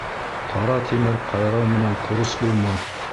Ҡара тимер ҡайрау менән ҡорос булмаҫ.